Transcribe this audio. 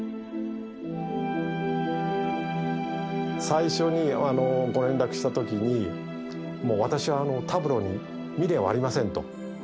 最初にご連絡した時にもう私はタブローに未練はありませんと。